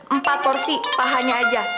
empat porsi pahanya aja